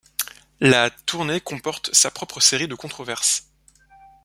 La tournée comporte sa propre série de controverses.